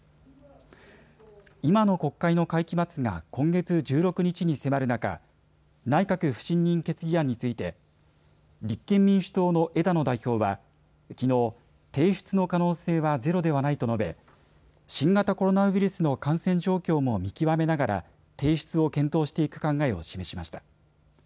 今の国会の会期末が今月１６日に迫る中、内閣不信任決議案について立憲民主党の枝野代表はきのう、提出の可能性はゼロではないと述べ新型コロナウイルスの感染状況も見極めながら提出を検討していく考えを示しました。